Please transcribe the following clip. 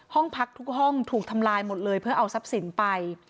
ห้องพักทุกห้องถูกทำลายหมดเลยเพื่อเอาทรัพย์สินไป